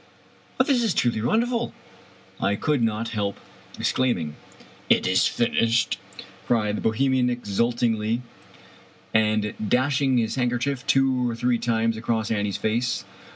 " This is truly wonderful !" I could not help exclaiming. "It is finishied," cried the Bohemian exultingly, and 41 Irish Mystery Storfes dashing his handkerchief two or three times across Annie's face.